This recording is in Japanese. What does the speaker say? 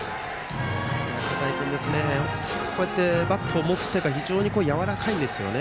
片井君、バットを持つ手が非常にやわらかいんですよね。